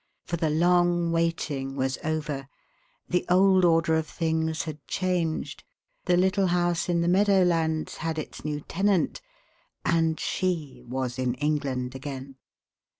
For the long waiting was over, the old order of things had changed, the little house in the meadowlands had its new tenant, and she was in England again.